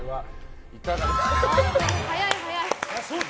早い早い。